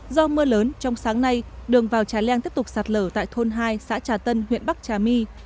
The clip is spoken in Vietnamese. do mưa lớn trong sáng nay đường vào trà leng tiếp tục sạt lở tại thôn hai xã trà tân huyện bắc trà my